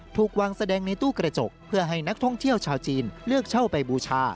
ถูกวางแสดงในตู้กระจกเพื่อให้นักท่องเที่ยวชาวจีนเลือกเช่าไปบูชา